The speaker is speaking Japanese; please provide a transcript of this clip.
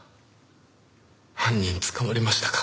犯人捕まりましたか。